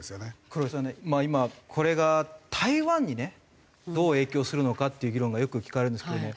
黒井さんねまあ今これが台湾にねどう影響するのかっていう議論がよく聞かれるんですけどね。